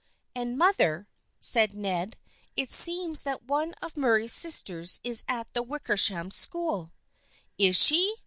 " And, mother," said Ned, " it seems that one of Murray's sisters is at the Wickersham School." "Is she?